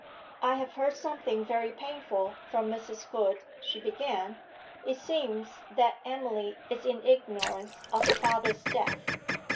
'I have heard something very painful from Mrs. Hood,' she began. 'It seems that Emily is in ignorance of her father's death.'